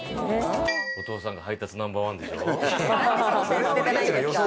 お父さんが配達ナンバーワンでしょう？